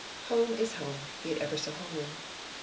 [HOME IS HOME, BE IT EVER SO HOMELY.